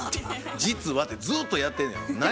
「実は」てずっとやってんねん。